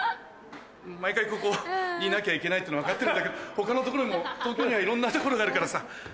毎回ここにいなきゃいけないっての分かってるんだけど他の所も東京にはいろんな所があるからさ。